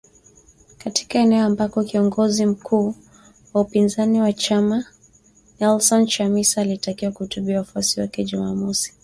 Katika eneo ambako kiongozi mkuu wa upinzani wa chama , Nelson Chamisa, alitakiwa kuhutubia wafuasi wake Jumamosi